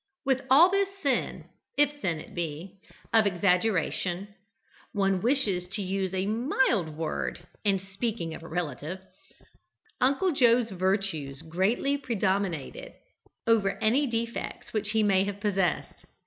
With all this sin, if sin it be, of exaggeration, (one wishes to use a mild word in speaking of a relative,) Uncle Joe's virtues greatly predominated over any defects which he may have possessed.